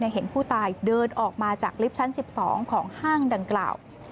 เห็นผู้ตายเดินออกมาจากลิฟท์ชั้น๑๒ของห้างดังกล่าว